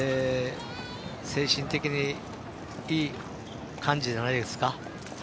精神的にいい感じじゃないですか。